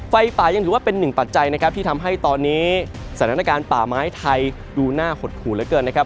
ไฟป่ายังถือว่าเป็นหนึ่งปัจจัยนะครับที่ทำให้ตอนนี้สถานการณ์ป่าไม้ไทยดูหน้าหดหูเหลือเกินนะครับ